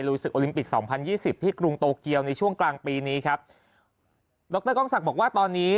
ศึกโอลิมปิกสองพันยี่สิบที่กรุงโตเกียวในช่วงกลางปีนี้ครับดรกองศักดิ์บอกว่าตอนนี้